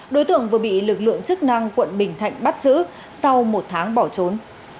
đối tượng vừa bị lực lượng chức năng quận bình thạnh bắt giữ sau một tháng bỏ trốn